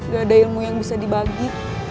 gak ada ilmu yang bisa dibagi